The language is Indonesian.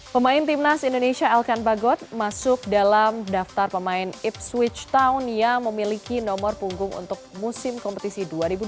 pemain timnas indonesia elkan bagot masuk dalam daftar pemain ipswich town yang memiliki nomor punggung untuk musim kompetisi dua ribu dua puluh tiga dua ribu dua puluh empat